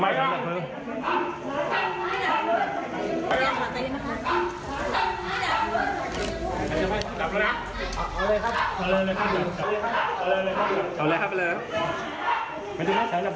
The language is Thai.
ปิด